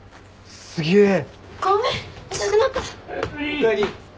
おかえり。